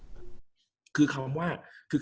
กับการสตรีมเมอร์หรือการทำอะไรอย่างเงี้ย